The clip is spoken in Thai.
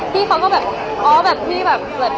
พี่เขาก็แบบอ๋อแบบพี่แบบ